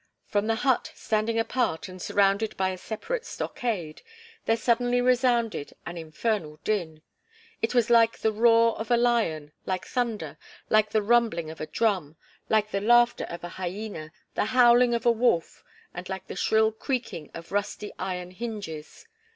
From the hut standing apart and surrounded by a separate stockade, there suddenly resounded an infernal din. It was like the roar of a lion, like thunder, like the rumbling of a drum, like the laughter of a hyena, the howling of a wolf, and like the shrill creaking of rusty iron hinges.